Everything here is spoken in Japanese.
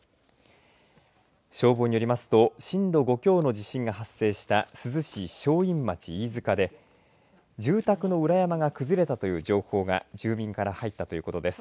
消防によりますと震度５強の地震が発生した珠洲市正院町飯塚で住宅の裏山が崩れたという情報が住民から入ったということです。